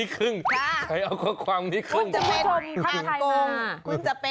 คุณงบ่คับใจมา